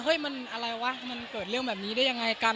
เฮ้ยมันอะไรวะมันเกิดเรื่องแบบนี้ได้ยังไงกัน